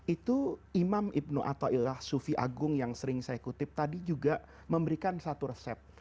itu imam ibnu atta'illah sufi agung yang sering saya kutip tadi juga memberikan satu resep